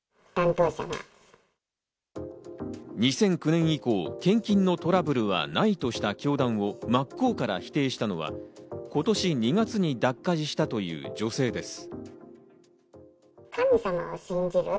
２００９年以降、献金のトラブルはないとした教団を真っ向から否定したのは今年２月に脱会したという女性です。